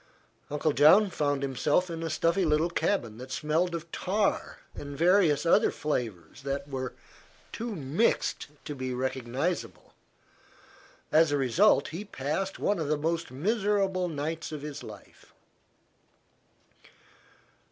Uncle John found himself in a stuffy little cabin that smelled of tar and various other flavors that were too mixed to be recognizable. As a result he passed one of the most miserable nights of his life.